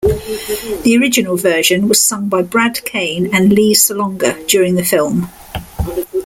The original version was sung by Brad Kane and Lea Salonga during the film.